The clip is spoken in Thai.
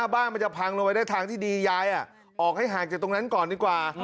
บ้านมันจะพังลงไปได้ทางที่ดียายออกให้ห่างจากตรงนั้นก่อนดีกว่า